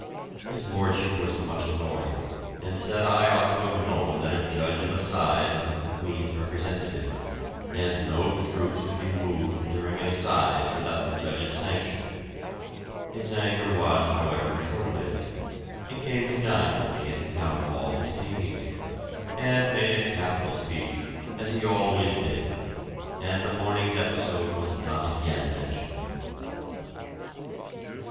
His Lordship was much annoyed and said I ought to have known that a Judge of Assize was the Queen's representative, and no troops could be moved during an assize without the judge's sanction. His anger was however short lived; he came to dine with me at the Town Hall the same evening, and made a capital speech, as he always did, and the morning's episode was not again mentioned.